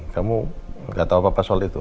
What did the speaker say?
kamu nggak tahu apa apa soal itu